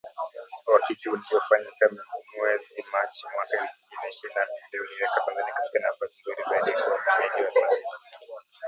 Uhakiki uliofanyika mwezi Machi mwaka elfu mbili na ishirini na mbili uliiweka Tanzania katika nafasi nzuri zaidi kuwa mwenyeji wa taasisi